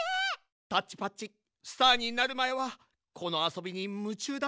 タッチパッチスターになるまえはこのあそびにむちゅうだったっち。